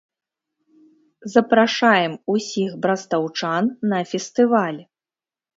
Запрашаем усіх брастаўчан на фестываль.